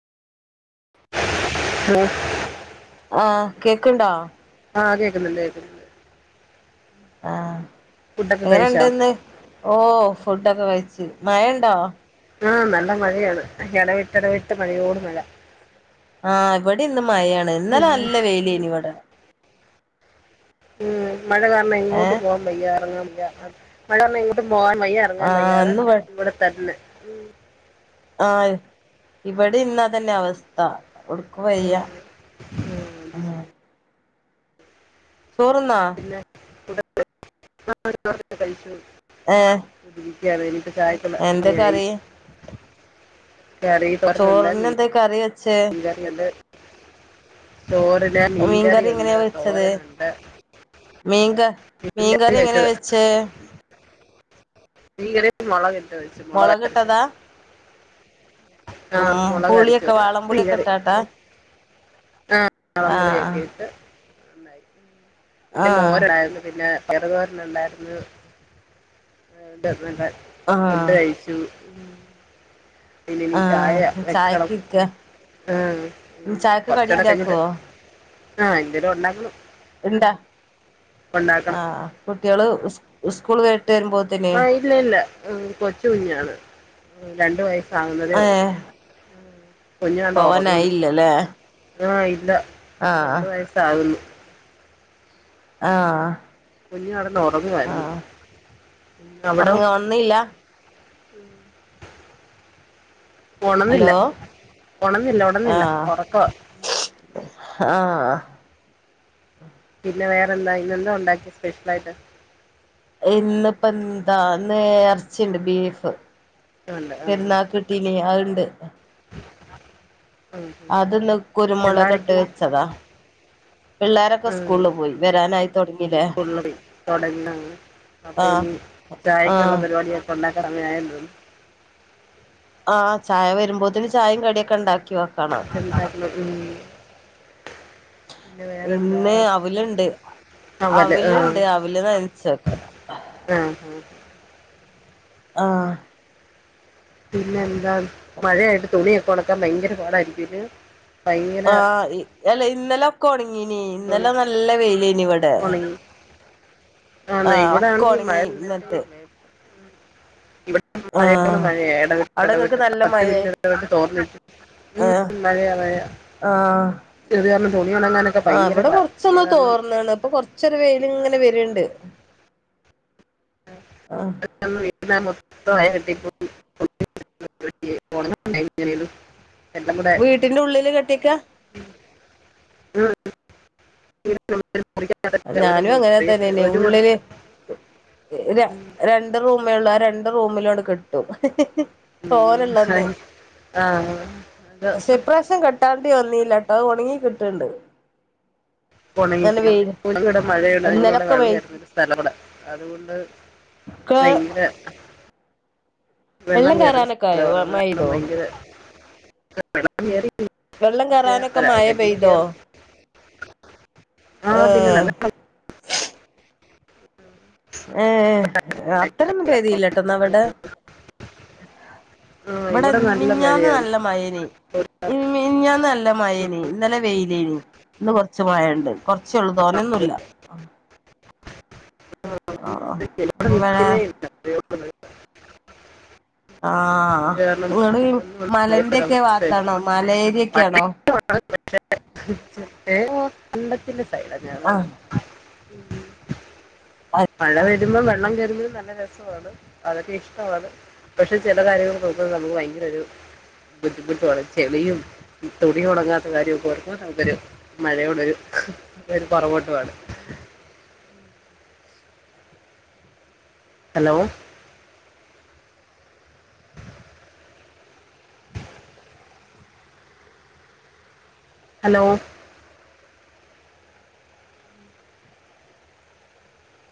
ആഹ് കേക്ക്ണ്ടാ? ആഹ് കേക്കുന്നുണ്ട് കേക്കുന്നു ആഹ് എങ്ങനെ കഴിച്ചാ ഇണ്ട്‌ന്ന് ഓ ഫുഡൊക്കെ കഴിച്ചു മഴണ്ടോ? ആഹ് നല്ല മഴയാണ് ഇടവിട്ടിടവിട്ട് മഴയോടു മഴ ആഹ് ഇവിടേം ഇന്ന മഴയാണ് ഇന്നലെ നല്ല വെയിലേനി ഇവിടെ ഉം മഴ കാരണം എങ്ങോട്ടും ഏഹ് പോകാൻ വയ്യ ഇറങ്ങാൻ [unintelligible] പോകാൻ വയ്യ ഇറങ്ങാൻ ആഹ് വയ്യാതെ ഇന്ന് ഇവ ഇവിടെ തന്നെ മം ആഹ് ഇവിടെം ഇന്നതന്നെ അവസ്ഥ ഒടുക്കും വയ്യ ആഹ് അത് ആ ശരി ചോറ്ന്നോ? പിന്നെ [unintelligible] ഏ [unintelligible] എന്താ സമയായി കറി? ചൊറിനെന്തേ കറി വെ മീൻ കറി അത് മീൻകറി മീൻകറിയുണ്ട് എങ്ങനെയാ വെച്ചത് തോരനുണ്ട് മീൻക മീൻകറി എങ്ങനെയാ വെച്ചേ? മീൻകറി മൊളകിട്ട് ട്ട് വച്ചു മുളകരച്ച് മുളകിട്ടതാ വെച്ചു ഉം ആഹ് മുളക് അരച്ച് പുളിയൊക്കെ വെച്ച് വാളംപുളിയൊക്കെ ഇട്ടാട്ടാ? ആഹ് ളമ്പുളിയൊക്കെയിട്ട് പിന്നെ ആഹ് മോരായിരുന്നു പിന്നെ ചെറുതോരൻ ഇണ്ടായിരുന്നു. [unintelligible] ആഹ് ഫുഡ് കഴിച്ചു. മ് ഇല്ലിനി ചായ ആഹ് ചായക്ക് വെക്കണം. ഇരിക്ക ഏ മ് ചായക്ക് കടി കൊർചൂടെ കഴിഞ്ഞിട്ട്. ഉണ്ടാക്കുവോ ആ എന്തേലും ഉണ്ടാക്കണം. എന്താ? ആ ഉണ്ടാക്കണം കുട്ടിള് ഉസ് ഉസ് സ്കൂള് വെ ആ ഇല്ല ഇല്ല കൊച്ച് കുഞ്ഞാണ്. ഉം രണ്ടു വയ ഏ പോവാനായില്ലല്ലേ? ആ ഇല്ല. ആഹ് രണ്ടു വയസ്സാവുന്നു. ആ കുഞ്ഞൊറ ആ ഒറങ്ങ് ഒൺന്നീല്ല. ഉം ഒണന്നില്ലാ ഹലോ ഒണന്നില്ലാ ഒണന്നില്ലാ ആഹ് ഒറക്കവാ ആഹ് പിന്നെ വേറെന്താ ഇന്നെന്താ ഒണ്ടാക്കിയെ സ്പെഷ്യലായിട്ട് ഇന്നിപ്പ എന്താ നേർച്ചുണ്ട് ബീഫ് ഉണ്ട് ആ പെരുന്നാക്ക് കിട്ടീല്ലേ അത് [unintelligible] ഉം ഉം ഉം അത്ന്ന് കുരുമുളക് ഇട്ട് പിള്ളാരൊക്കെ വെച്ചതാ പിള്ളോരൊക്കെ ഉം സ്കൂളി പോയി വരാനായി തുടങ്ങില്ലേ സ്കൂളിൽ പോയി തുടങ്ങി അപ്പൊ ആഹ് ഇനി ചായക്കുള്ള ആഹ് പരിപാടിയൊക്കെ ഉണ്ടാക്കാൻ സമയായെന്ന് തോന്നു ആഹ് ചായ വരുമ്പോത്തന് ചായയും കടിയൊക്കെ ഉണ്ടാക് ക്ക് വെക്കണം എന്താക്ക്ണ് ഉം പിന്നെ വേറെന്താ ഇന്നെ അവലുണ്ട് അവല് ആ അവലുണ്ട് അവല് നനച്ച് വെക്കണം ആ ആ ആഹ് പിന്നെ ത മഴയായിട്ട് തുണിയൊ ഒണക്കാൻ ഭയങ്കര പാടായിരിക്കുല്ലേ ആഹ് ഈ അല്ല ഇന്നെല്ല കോണോങ്ങി ഇനി ഇന്നെലെ നല്ല വെയിലയ്ന് ഇവട് ഒണങ്ങി ആന്നൊ ആഹ് ഒക്കെ ഇവിടാണെങ്കി മഴ ഉണങ്ങി ഇന്നലത്തെ നിന്നിട്ടൊന്നില്ലാര്ന്ന് [unintelligible] മഴയോട് ആഹ് മഴയാ ഇടവിട്ട് അവിടെങ്ങക്ക് ഇടവിട്ട് നല്ല പത്ത് മഴയായി മിനിട്ട് ഇടവിട്ട് തോർന്നിട്ട് ആഹ് ഇ മഴയാ മഴ ആഹ് ഇത് കാരണം തുണി ഉണങ്ങാനൊക്കെ ഭയങ്കര പാടാ അത് കാരണം ചെറ് വെയിലിങ്ങനെ വര്ണ്ട് [inaudible] [inaudible] വീട്ടിന്റെ ഉള്ളില് കെട്ടിയേക്ക ഉം, [inaudible] മുറിക്കകത്തൊക്കെ ഒരു ഞാനും അങ്ങനെ മുറിയൊക്കെ തന്നെനെ ഒരു മുറി ഉള്ളില് ര രണ്ട് റൂമേ ഉള്ള് ആ രണ്ട് [unintelligible] റൂമിലങ്ങിട് കെട്ടും ഹി ഹി ഹി തോലള്ളെന്ന് ഉം, ആ അത് പശേ ഇപ്രാവശ്യം കെട്ടാൻ ണ്ടി വന്നില്ലട്ടോ ഒണങ്ങി കിട്ടണ്ട് നല്ല ഒണങ്ങിട്ടില്ല വെയില് [unintelligible] ടെ മഴയാണ് ഞങ്ങടിവിടെ ഇവിടെ ഇന്നലൊക്കെ വെള്ളം വെയി ഇല്ലാത്ത ഒരു സ്ഥലാണ് അതുകൊണ്ട് ക്കെ ഭയങ്കര വെള്ളം കയറുന്ന കയറാനൊക്കെ ആയോ സ്ഥലമാണ് അത് കാരണം മഴെയ്തോ ഭയങ്കര [inaudible] വെള്ളം കേറി വെള്ളം കറാനൊക്കെ മയ പെയ്തോ കയറും [inaudible] ആ പിന്നെ ഏഹ് നല്ല സൗണ്ട് ഏ അത്ര ഒന്നും മഴയാ. പേയ്തീല്ലട്ടോ ഇന്നാ ഇവടേ ആ ഇവിടെ ഇൻ നല്ല മിനിഞ്ഞാന്ന് മഴയാണ് നല്ല മയയേനി ഇപ്പൊ മിനിഞ്ഞാന്ന് നല്ല മയേനി ഇന്നലെ വെയിലേനി ഇന്ന് കൊറച്ച് മഴയെണ്ട് കൊറച്ചുള്ളൂ തോനെന്നുഇല്ല ആ അപ്പോ ഇവിടെ നിൽക്കുന്നേ ഇല്ല അറിയോളൊന്നും. ആഹ് അത് കാരണം നിങ്ങള് ഒന്നും ഒന്നും മലന്റെക്കെ ഭയപ്പെടാവസ്ഥയില്ല ഭാത്താണോ മലേരിയൊക്കെയാണോ ദേ പൊ കണ്ടത്തില് [inaudible] ആഹ് മഴ വരുമ്പോം വെള്ളം കേറുമ്പം നല്ല രസമാണ് അതൊക്കെ ഇഷ്ടമാണ് പക്ഷെ ചില കാര്യങ്ങള് ന നമുക്ക് ഭയങ്കര ഒരു ബുദ്ധിമുട്ട് പോലെ ചെളിയും ഇ തുണി ഉണങ്ങാത്ത കാര്യോക്കെ ഓർക്കുമ്പോ നമുക്കൊരു മഴയോടൊരു ഒരു പൊറകോട്ടു ആണ് ഹലോ ഹലോ